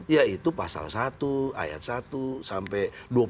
yaitu pasal satu ayat satu sampai dua puluh satu